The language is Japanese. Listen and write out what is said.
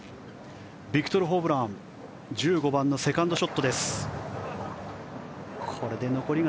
ビクトル・ホブラン１５番のセカンドショット。